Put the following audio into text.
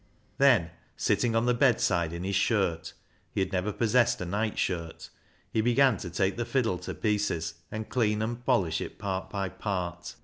Then sitting on the bedside in his shirt, — he had never possessed a night shirt, — he began to take the fiddle to pieces and clean and polish it, part by part.